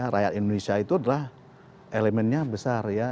rakyat indonesia itu adalah elemennya besar ya